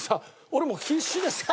俺も必死でさ。